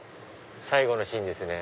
最後のシーンですね。